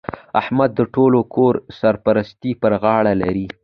احمد د ټول کور سرپرستي پر غاړه لري.